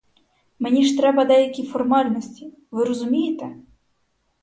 Мені ж треба деякі формальності, ви розумієте?